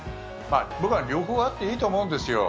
僕は両方あっていいと思うんですよ。